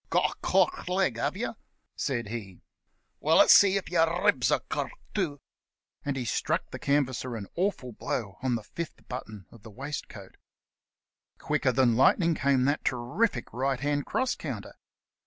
"Got a cork leg, have you?" said he — "Well, let's see if your ribs are cork too," and he struck the canvasser an awful blow on the fifth button of the waistcoat. Quicker than lightning came that terrific right hand cross counter.